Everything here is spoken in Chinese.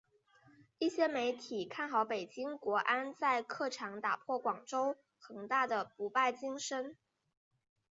一些媒体看好北京国安在客场打破广州恒大的不败金身。